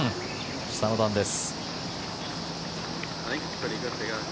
下の段です。